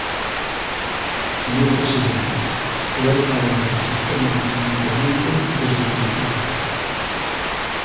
Señor presidente, levo falando de sistemas de financiamento desde o principio.